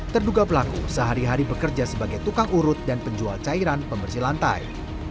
terduga pelaku sehari hari bekerja sebagai tukang urut dan penjual cairan pembersih lantai